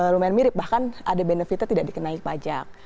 lumayan mirip bahkan ada benefitnya tidak dikenai pajak